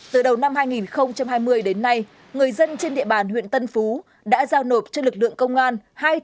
từ đầu năm hai nghìn hai mươi đến nay người dân trên địa bàn huyện tân phú đã giao nộp cho lực lượng công an